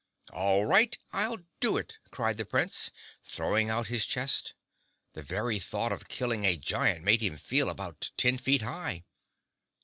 "All right! I'll do it!" cried the Prince, throwing out his chest. The very thought of killing a giant made him feel about ten feet high.